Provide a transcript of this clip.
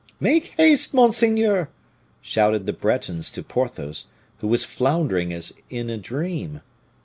"Make haste, monseigneur!" shouted the Bretons to Porthos, who was floundering as in a dream.